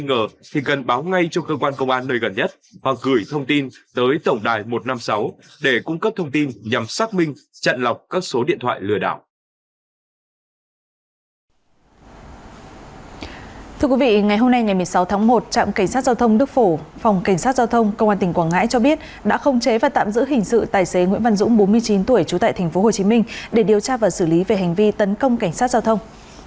ngày hôm nay ngày một mươi sáu tháng một trạm cảnh sát giao thông đức phổ phòng cảnh sát giao thông công an tỉnh quảng ngãi cho biết đã không chế và tạm giữ hình sự tài xế nguyễn văn dũng bốn mươi chín tuổi trú tại tp hcm để điều tra và xử lý về hành vi tấn công cảnh sát giao thông